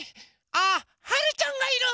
あっはるちゃんがいる！